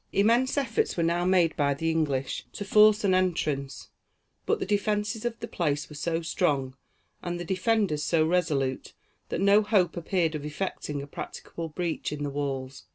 Immense efforts were now made by the English to force an entrance, but the defences of the place were so strong, and the defenders so resolute, that no hope appeared of effecting a practicable breach in the walls.